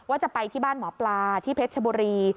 ว่าจะไปที่บ้านหมอปลาที่เพชรชบุรี